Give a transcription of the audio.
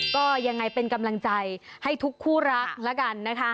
ก็ยังไงเป็นกำลังใจให้ทุกคู่รักแล้วกันนะคะ